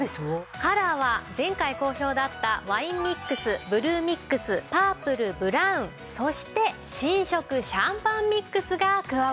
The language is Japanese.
カラーは前回好評だったワインミックスブルーミックスパープルブラウンそして新色シャンパンミックスが加わっております。